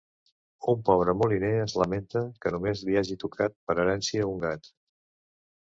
Un pobre moliner es lamenta que només li hagi tocat per herència un gat.